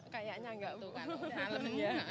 kayaknya enggak tuh